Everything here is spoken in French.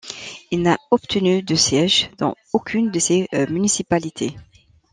Il n'a obtenu de sièges dans aucune de ces municipalités.